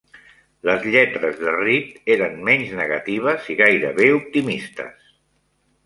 Les lletres de Reed eren menys negatives i gairebé optimistes.